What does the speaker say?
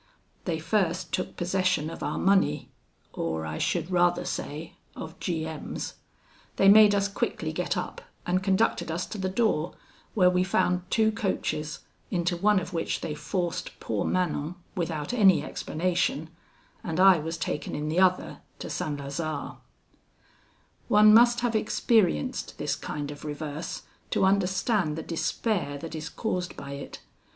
They first took possession of our money, or I should rather say, of G M 's. They made us quickly get up, and conducted us to the door, where we found two coaches, into one of which they forced poor Manon, without any explanation, and I was taken in the other to St. Lazare. "One must have experienced this kind of reverse, to understand the despair that is caused by it.